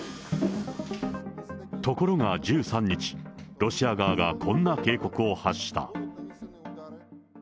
ところが１３日、ロシア側がこんな警告を発した。